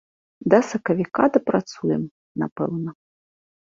Да сакавіка дапрацуем, напэўна.